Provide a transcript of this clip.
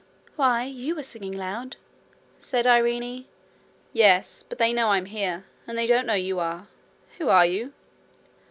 'Why, you were singing loud!' said Irene. 'Yes. But they know I am here, and they don't know you are. Who are you?'